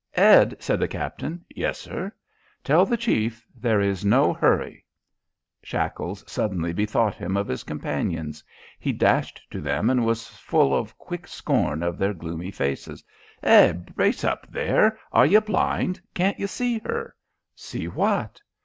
"Ed!" said the captain. "Yessir!" "Tell the chief there is no hurry." Shackles suddenly bethought him of his companions. He dashed to them and was full of quick scorn of their gloomy faces. "Hi, brace up there! Are you blind? Can't you see her?" "See what?"